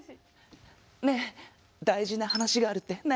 ねえ大事な話があるって何？